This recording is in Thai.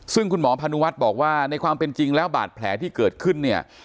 ซึ่งคุณหมอพานุวัฒน์บอกว่าในความเป็นจริงแล้วบาดแผลที่เกิดขึ้นเนี่ย